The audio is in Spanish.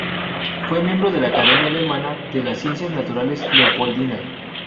Fue miembro de la Academia alemana de las ciencias naturales Leopoldina.